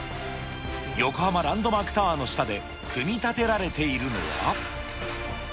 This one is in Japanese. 横浜ランドマークタワーの下で組み立てられているのは。